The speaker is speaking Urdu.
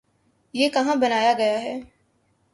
یہ کہاں بنایا گیا ہے؟